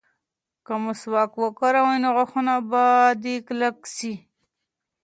که مسواک وکاروې نو غاښونه به دې کلک شي.